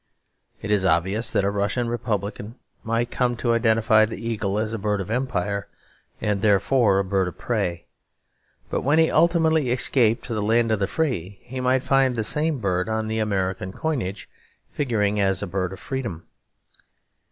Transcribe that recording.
It is obvious that a Russian republican might come to identify the eagle as a bird of empire and therefore a bird of prey. But when he ultimately escaped to the land of the free, he might find the same bird on the American coinage figuring as a bird of freedom.